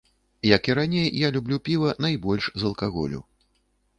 Як і раней, я люблю піва найбольш з алкаголю.